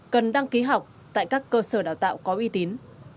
cần đăng ký học tại các cơ sở đào tạo có uy tín